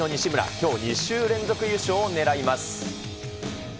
きょう２週連続優勝をねらいます。